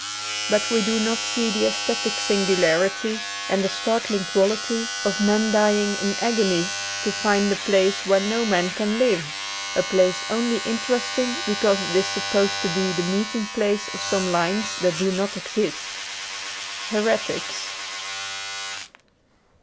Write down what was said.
But we do not see the aesthetic singularity and the startling quality of men dying in agonies to find a place where no man can live — a place only interest ing because it is supposed to be the meeting place of some lines that do not exist. ^ Heretics.